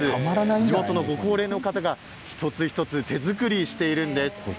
近くのご高齢の方が一つ一つ手作りしているんです。